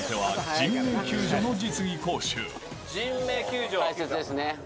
人命救助は大切ですね。